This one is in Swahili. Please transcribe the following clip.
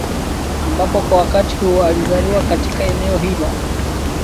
Ambapo kwa wakati huo alizaliwa katika eneo hilo